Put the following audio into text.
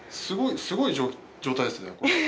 すごい状態ですね。